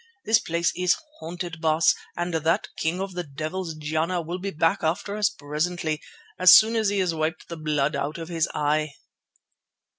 This place is haunted, Baas, and that king of the devils, Jana, will be back after us presently, as soon as he has wiped the blood out of his eye."